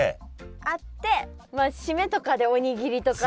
あって締めとかでおにぎりとかで。